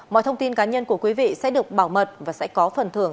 mọi thông tin cá nhân của quý vị sẽ được bảo mật và sẽ có phần thưởng